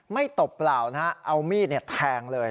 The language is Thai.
ตบเปล่านะฮะเอามีดแทงเลย